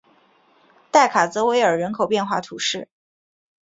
代卡泽维尔人口变化图示